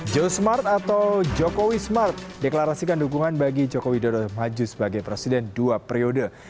joe smart atau jokowi smart deklarasikan dukungan bagi jokowi dodo maju sebagai presiden dua periode